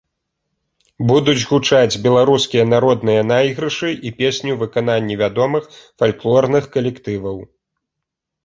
Будуць гучаць беларускія народныя найгрышы і песні ў выкананні вядомых фальклорных калектываў.